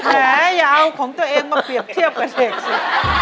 แผลยาวของตัวเองมาเปรียบเทียบกับเด็กสิ